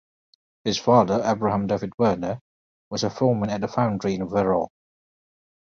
His father, Abraham David Werner, was a foreman at a foundry in Wehrau.